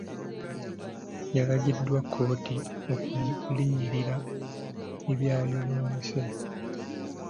Yalagiddwa kkooti okuliyirira ebyayonoonese.